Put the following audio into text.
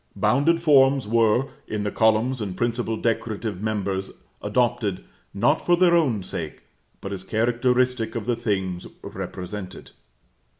Bounded forms were, in the columns and principal decorative members, adopted, not for their own sake, but as characteristic of the things represented.